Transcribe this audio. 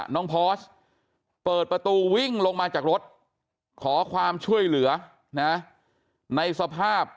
พอร์สเปิดประตูวิ่งลงมาจากรถขอความช่วยเหลือนะในสภาพ